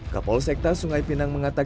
kapol sekta sungai pinang mengatakan